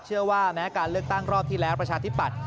แม้การเลือกตั้งรอบที่แล้วประชาธิปัตย